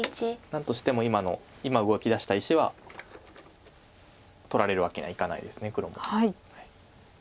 何としても今の今動きだした石は取られるわけにはいかないです黒も。